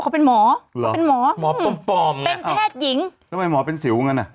เป็นหมอเหรอ